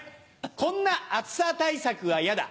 こんな暑さ対策は嫌だ。